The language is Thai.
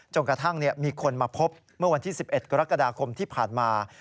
กระทั่งมีคนมาพบเมื่อวันที่๑๑กรกฎาคมที่ผ่านมา